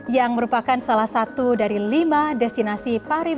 yang merupakan salah satu dari lima destinasi pariwisata